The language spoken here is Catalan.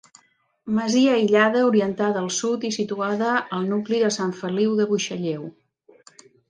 Masia aïllada, orientada al sud i situada al nucli de Sant Feliu de Buixalleu.